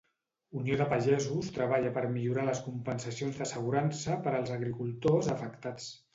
Unió de Pagesos treballa per millorar les compensacions d'assegurança per als agricultors afectats.